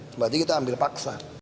berarti kita ambil paksa